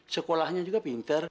sekolahnya juga pinter